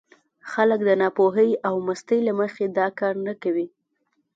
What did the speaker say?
خلک د ناپوهۍ او مستۍ له مخې دا کار نه کوي.